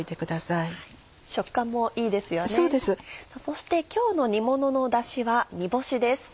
そして今日の煮もののダシは煮干しです。